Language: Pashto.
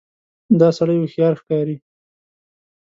دا سړی هوښیار ښکاري.